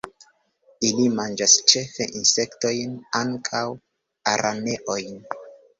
Ili manĝas ĉefe insektojn, ankaŭ araneojn.